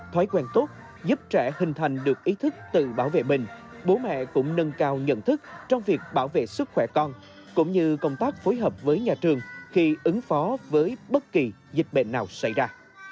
thói quen tốt giúp trẻ hình thành được ý thức tự bảo vệ mình bố mẹ cũng nâng cao nhận thức trong việc bảo vệ sức khỏe con cũng như công tác phối hợp với nhà trường khi ứng phó với bất kỳ dịch bệnh nào xảy ra